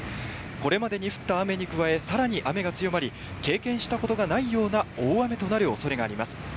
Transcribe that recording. これまでに降った雨に加え、さらに雨が強まり、経験したことがないような大雨となるおそれがあります。